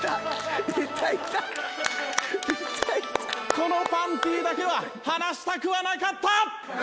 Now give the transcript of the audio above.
このパンティだけは離したくはなかった！